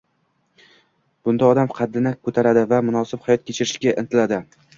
bunda odam qaddini ko‘taradi va munosib hayot kechirishga intiladi.